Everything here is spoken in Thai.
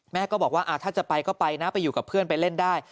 แม่ก็บอกว่าถ้าจะไปก็ไปนะไปอยู่กับเพื่อนไปเล่นได้